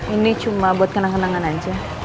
ini cuma buat kenang kenangan aja